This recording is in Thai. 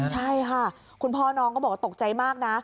ใช่ค่ะคุณพ่อน้องก็บอกว่าตกใจมากนะ